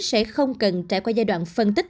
sẽ không cần trải qua giai đoạn phân tích